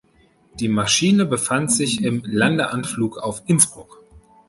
Die Maschine befand sich im Landeanflug auf Innsbruck.